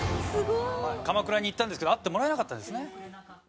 鎌倉に行ったんですけど会ってもらえなかったんですね。